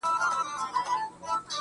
ښکلا د دې؛ زما.